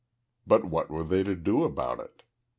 But what were they to do about it?